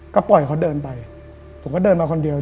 ก็ปล่อยเขาเดินไปผมก็เดินมาคนเดียว